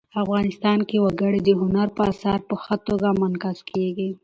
افغانستان کې وګړي د هنر په اثار کې په ښه توګه منعکس کېږي.